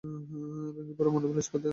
ভেঙ্গে পড়া মনোবল ইস্পাতসম দৃঢ় হয়ে যায়।